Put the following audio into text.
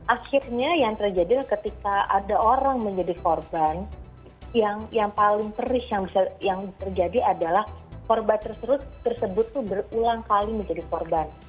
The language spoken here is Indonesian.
akhirnya yang terjadi ketika ada orang menjadi korban yang paling perih yang terjadi adalah korban tersebut itu berulang kali menjadi korban